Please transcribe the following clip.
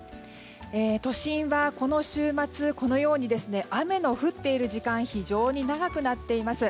都心は、この週末雨の降っている時間が非常に長くなっています。